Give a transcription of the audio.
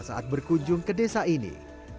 saat berkunjung ke desa ini